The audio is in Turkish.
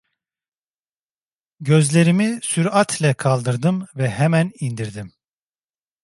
Gözlerimi süratle kaldırdım ve hemen indirdim.